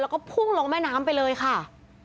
แล้วก็พุ่งลงแม่น้ำไปเลยค่ะ